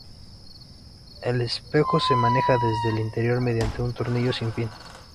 El espejo se maneja desde el interior mediante un tornillo sin fin.